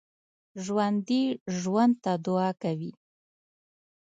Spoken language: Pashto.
ژوندي ژوند ته دعا کوي